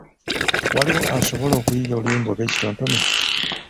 Waliwo asobola okuyiiya oluyimba oba ekitontome?